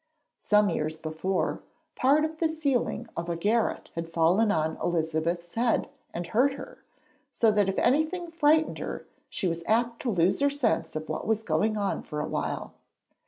Some years before, part of the ceiling of a garret had fallen on Elizabeth's head and hurt her, so that if anything frightened her she was apt to lose her sense of what was going on for a while.